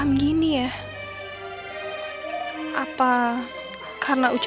eh ini mau pada kemana